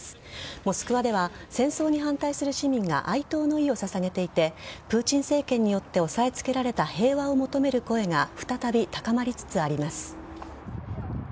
モスクワでは戦争に反対する市民が哀悼の意を捧げていてプーチン政権によって押さえ付けられた平和を求める声が再び高まりつつあります。